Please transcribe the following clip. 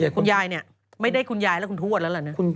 คุณยายเนี่ยไม่ได้คุณยายและคุณทวดแล้วล่ะนะ